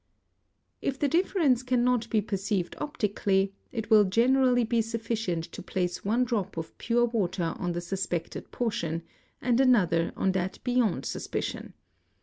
.: If the difference cannot be perceived optically, it will generally be sufficient to place one drop of pure water on the suspected portion, and another on that beyond suspicion.